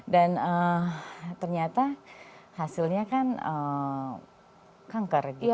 dan ternyata hasilnya kan kanker gitu ya